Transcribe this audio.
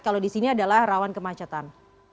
kalau di sini adalah rawan kemacetan